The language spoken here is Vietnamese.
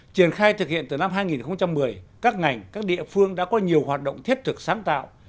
triển khai thực hiện từ năm hai nghìn một mươi các ngành các địa phương đã có nhiều hoạt động thiết thực sáng tạo